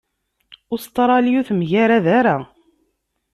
Ustṛalya ur temgarad ara.